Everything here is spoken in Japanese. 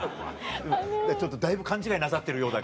ちょっとだいぶ勘違いなさってるようだから。